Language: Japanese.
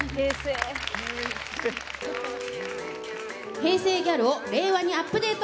平成ギャルを令和にアップデート。